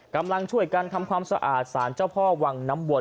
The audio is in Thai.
กำลังช่วยกันทำความสะอาดสารเจ้าพ่อวังน้ำวน